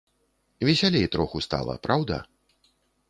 Весялей троху стала, праўда?